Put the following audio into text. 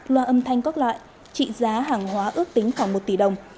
loa âm thanh các loại trị giá hàng hóa ước tính khoảng một tỷ đồng